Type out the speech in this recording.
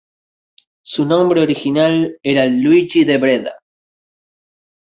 Su nombre original era Luigi de Breda.